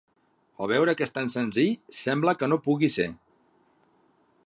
Al veure que és tant senzill sembla que no pugui ser.